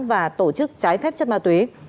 và tổ chức trái phép chất ma túy